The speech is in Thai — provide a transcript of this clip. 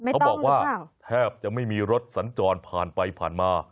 เขาบอกว่าแทบจะไม่มีรถสัญจรผ่านไปผ่านมา